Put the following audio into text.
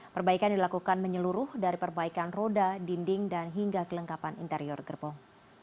perbaikan dilakukan menyeluruh dari perbaikan roda dinding dan hingga kelengkapan interior gerbong